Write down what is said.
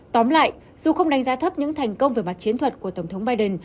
tóm lại dù không đánh giá thấp những thành công về mặt chiến thuật của tổng thống biden